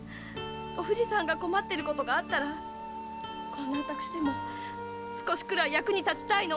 お藤さんが困ってることがあったらこんな私でも少しくらい役に立ちたいの。